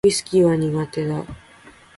ウィスキーは苦手だ